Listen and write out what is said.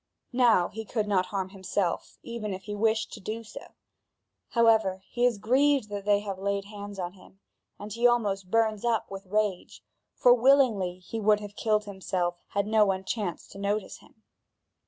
Now he could not harm himself, even had he wished to do so; however, he is grieved that they have laid hands on him, and he almost burns up with rage, for willingly would he have killed himself had no one chanced to notice him.